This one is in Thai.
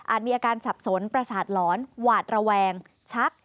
มีอาการสับสนประสาทหลอนหวาดระแวงชัก